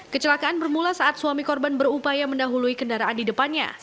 kecelakaan bermula saat suami korban berupaya mendahului kendaraan di depannya